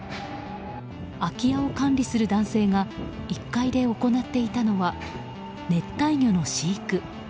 空き家を管理する男性が１階で行っていたのは熱帯魚の飼育。